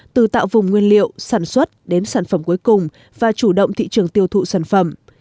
từ tạo vùng nguyên liệu sản xuất đến sản phẩm cuối cùng và chủ động thị trường tiêu thụ sản phẩm